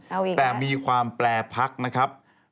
เอาอีกแล้วนะฮะแต่มีความแปรพักนะครับ